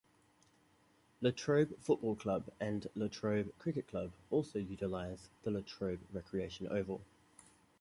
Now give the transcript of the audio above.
Latrobe Football Club and Latrobe Cricket Club also utilize the Latrobe Recreation Oval.